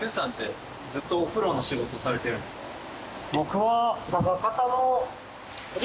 僕は。